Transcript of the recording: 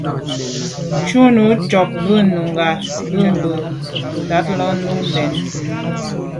Shúnɔ̀ cúp bú nùngà mbə̄ mbà tát lā nù lɔ̀ŋ.